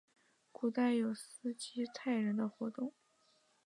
古代有斯基泰人活动。